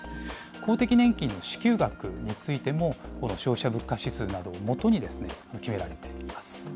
公的年金の支給額についても、この消費者物価指数などを基に決められています。